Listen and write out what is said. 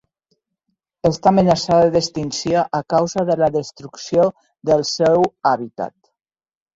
Està amenaçada d'extinció a causa de la destrucció del seu hàbitat.